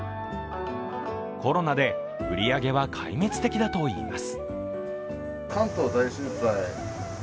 コロナで売り上げは壊滅的だといいます。